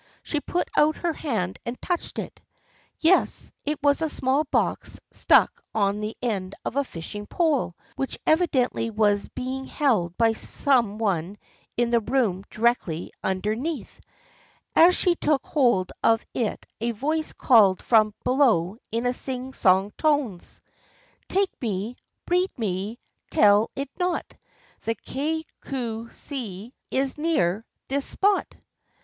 She put out her hand and touched it. Yes, it was a small box stuck on the end of a fishing pole, which evidently was be ing held by some one in the room directly under THE FRIENDSHIP OF ANNE 51 neath. As she took hold of it a voice called from below in sing song tones :" Take me, read me, tell it not. The Kay Cue See is near — this — spot."